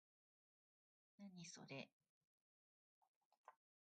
何、それ？